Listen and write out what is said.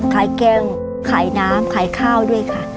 แกงขายน้ำขายข้าวด้วยค่ะ